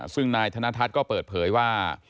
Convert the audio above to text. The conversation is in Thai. ซึ่งนายธนทัศน์ก็เปิดเผยว่า